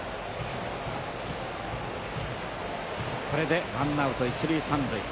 これでワンアウト１塁３塁。